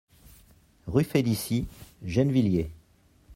Rue Félicie, Gennevilliers